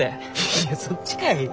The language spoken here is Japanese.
いやそっちかい！